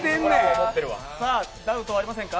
ダウトはありませんか？